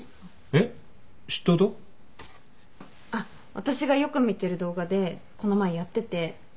あっ私がよく見てる動画でこの前やってて。